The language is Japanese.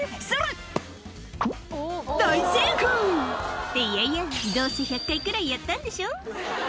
って、いやいや、どうせ１００回ぐらいやったんでしょ。